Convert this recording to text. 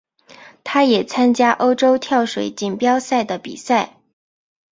他也参加欧洲跳水锦标赛的比赛。